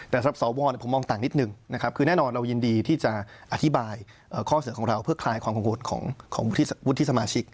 แต่สำหรับสวผมมองต่างนิดนึงนะครับคือแน่นอนเรายินดีที่จะอธิบายข้อเสนอของเราเพื่อคลายความกังวลของวุฒิสมาชิก